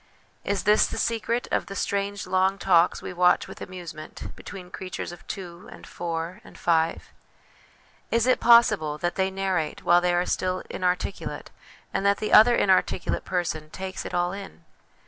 Is this the secret of the strange long talks we watch with amusement between creatures of two, and four, and five ? Is it possible that they narrate while they are still inarticulate, and that the other inarticulate person takes it all in